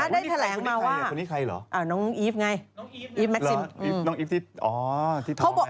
ได้แถลงมาว่าน้องอีฟไงอีฟแม็กซิม